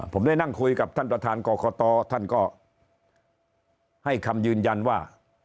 ผมได้นั่งคุยกับท่านประธานกรกตท่านก็ให้คำยืนยันว่า